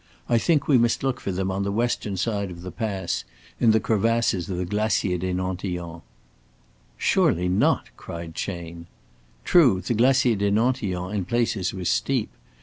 "I think we must look for them on the western side of the pass, in the crevasses of the Glacier des Nantillons." "Surely not," cried Chayne. True, the Glacier des Nantillons in places was steep.